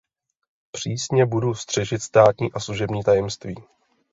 Přísně budu střežit státní a služební tajemství.